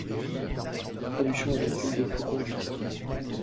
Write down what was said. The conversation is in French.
Productions agricoles de Faucon-du-Caire.